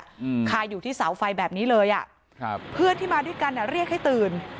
อืมคาอยู่ที่เสาไฟแบบนี้เลยอ่ะครับเพื่อนที่มาด้วยกันอ่ะเรียกให้ตื่น